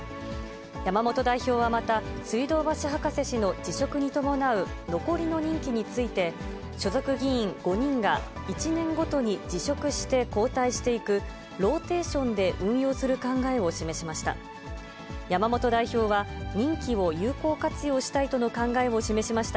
山本代表はまた、水道橋博士氏の辞職に伴う残りの任期について、所属議員５人が１年ごとに辞職して交代していく、ローテーションで運用する考えを示しました。